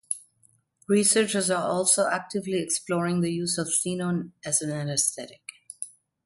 Researchers are also actively exploring the use of xenon as an anaesthetic.